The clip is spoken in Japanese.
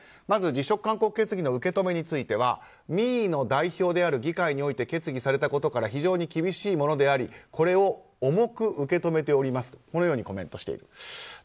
まず辞職勧告決議の受け止めについては民意の代表である議会で決議されたことから非常に厳しいものでありこれを重く受け止めておりますとコメントしている。